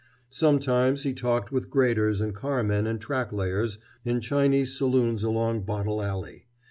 Sometimes he talked with graders and car men and track layers in Chinese saloons along Bottle Alley.